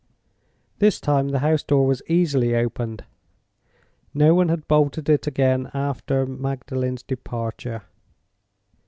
This time the house door was easily opened: no one had bolted it again after Magdalen's departure.